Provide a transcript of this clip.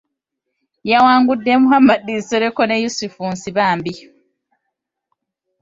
Yawangudde Muhammad Nsereko ne Yusufu Nsibambi.